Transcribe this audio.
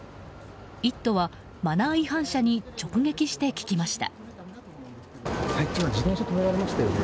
「イット！」はマナー違反者に直撃して、聞きました。